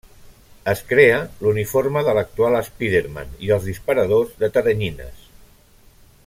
Es crea l'uniforme de l'actual Spiderman i els disparadors de teranyines.